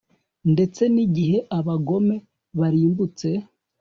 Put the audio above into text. ndetse n'igihe abagome barimbutse